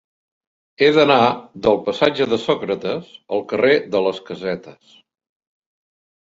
He d'anar del passatge de Sòcrates al carrer de les Casetes.